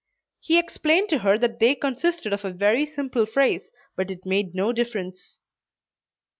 He explained to her that they consisted of a very simple phrase, but it made no difference.